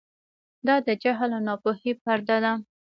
دا د جهل او ناپوهۍ پرده ده.